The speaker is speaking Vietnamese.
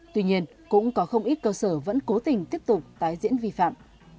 tuy nhiên cũng có không ít cơ sở vẫn cố tình tiếp tục tái diễn vi phạm